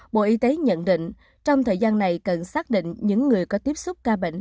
bộ y tế nhận định trong thời gian này cần xác định những người có tiếp xúc ca bệnh